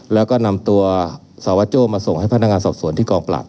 แล้วก็นำตัวสาวโจ้มาส่งให้พนักงานสอบสวนที่กองปราบ